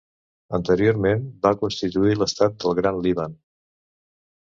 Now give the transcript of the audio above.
Anteriorment va constituir l'estat del Gran Líban.